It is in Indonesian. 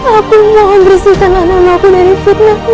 aku mohon bersihkan anakmu dari fitnahmu